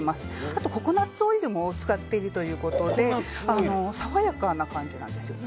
あとココナツオイルも使っているということで爽やかな感じなんですよ。